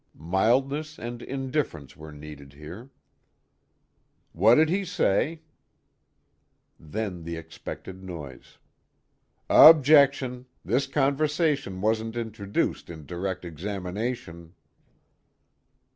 Mildness and indifference were needed here: "What did he say?" Then the expected noise: "Objection! This conversation wasn't introduced in direct examination."